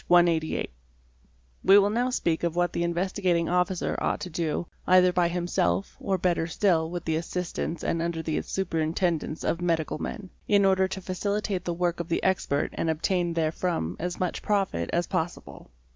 188); we will now speak of what the Investigating Officer ought to do, either by himself or better still with the assistance and under the superintendence of medical men, in order to facilitate the work of the expert and obtain therefrom as much profit as possible.